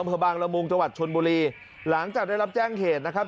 อำเภอบางละมุงจังหวัดชนบุรีหลังจากได้รับแจ้งเหตุนะครับ